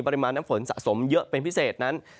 ปริมาณน้ำฝนสะสมเยอะเป็นพิเศษนั้น